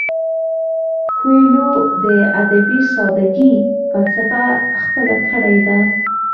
کویلیو د ادبي ساده ګۍ فلسفه خپله کړې ده.